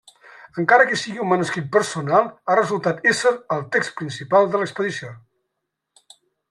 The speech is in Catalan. Encara que sigui un manuscrit personal, ha resultat ésser el text principal de l'expedició.